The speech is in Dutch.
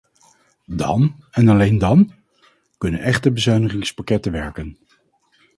Dan, en alleen dan, kunnen echte bezuinigingspakketten werken.